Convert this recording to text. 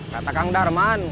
kata kang darman